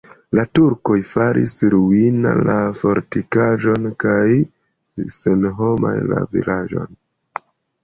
La turkoj faris ruina la fortikaĵon kaj senhoma la vilaĝon.